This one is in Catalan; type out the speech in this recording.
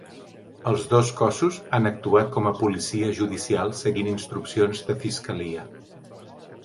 Els dos cossos han actuat com a policia judicial seguint instruccions de fiscalia.